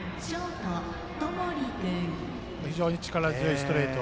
非常に力強いストレート。